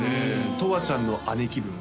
とわちゃんの兄貴分は？